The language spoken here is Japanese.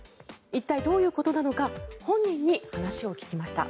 一体どういうことなのか本人に話を聞きました。